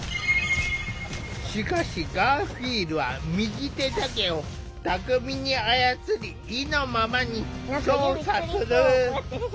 しかしガーフィールは右手だけを巧みに操り意のままに操作する。